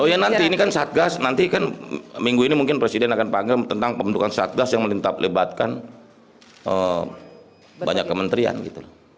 oh ya nanti ini kan satgas nanti kan minggu ini mungkin presiden akan panggil tentang pembentukan satgas yang melintap lebatkan banyak kementerian gitu